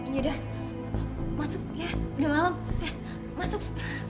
yaudah masuk ya udah malam masuk